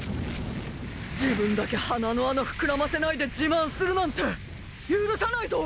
自分だけ鼻の穴膨らませないで自慢するなんて許さないぞ！